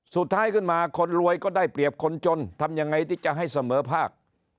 สุดท้ายขึ้นมาคนรวยก็ได้เปรียบคนจนทำยังไงที่จะให้เสมอภาค